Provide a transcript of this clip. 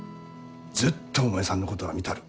ずっとお前さんのことは見たる。